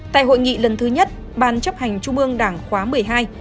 tại hội nghị lần thứ nhất ban chấp hành trung ương đảng khóa một mươi hai